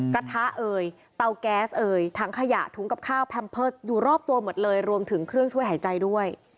กระทะเอ่ยเตาแก๊สเอ่ยถังขยะถุงกับข้าวแพมเพิร์สอยู่รอบตัวหมดเลยรวมถึงเครื่องช่วยหายใจด้วย